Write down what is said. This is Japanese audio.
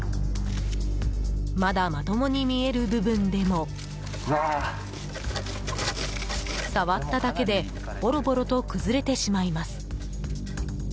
まだまともに見える部分でも触っただけでボロボロと崩れてしまいます。